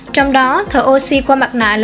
trong đó thở oxy qua mặt nạ là bốn sáu mươi năm